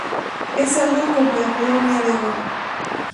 Es algo como la Polonia de hoy.